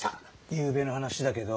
ゆうべの話だけど。